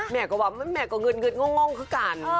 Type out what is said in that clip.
แหม่กว่าเงินเงินง่องคือกัน